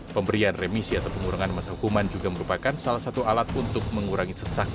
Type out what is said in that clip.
pemberian remisi atau pengurangan masa hukuman juga merupakan salah satu alat untuk mengurangi sesak